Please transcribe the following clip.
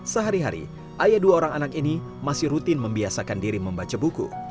sehari hari ayah dua orang anak ini masih rutin membiasakan diri membaca buku